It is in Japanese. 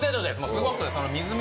すごく。